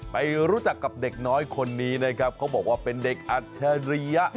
ไปรู้จักกับเด็กน้อยคนนี้นะครับเขาบอกว่าเป็นเด็กอัจฉริยะ